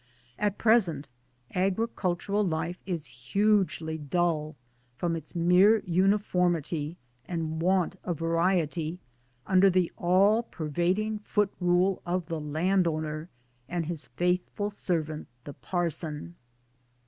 At present agricultural life is hugely dull from its mere uniformity and want of variety under the all pervading foot rule of the landowner and his faith ful servant the parson.